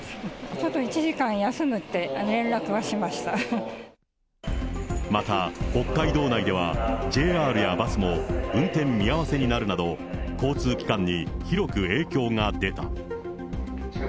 ちょっと１時間休むって連絡はしまた北海道内では、ＪＲやバスも運転見合わせになるなど、交通機関に広く影響が出た。